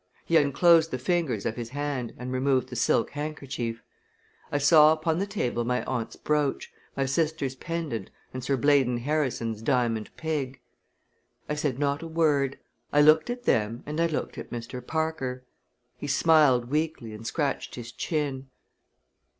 He unclosed the fingers of his hand and removed the silk handkerchief. I saw upon the table my aunt's brooch, my sister's pendant and Sir Blaydon Harrison's diamond pig. I said not a word. I looked at them and I looked at Mr. Parker. He smiled weakly and scratched his chin.